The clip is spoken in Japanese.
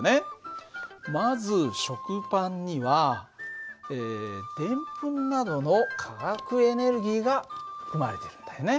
まず食パンにはデンプンなどの化学エネルギーが含まれてるんだよね。